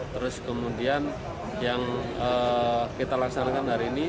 terus kemudian yang kita laksanakan hari ini